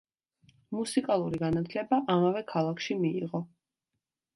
მუსიკალური განათლება ამავე ქალაქში მიიღო.